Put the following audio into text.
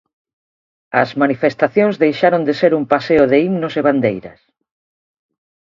As manifestacións deixaron de ser un paseo de himnos e bandeiras.